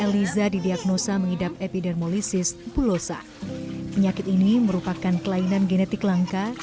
bisa didiagnosa mengidap epidermolysis pulosa penyakit ini merupakan kelainan geneti ke langka